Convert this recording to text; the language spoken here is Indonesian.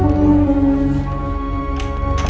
belum biarkan cuy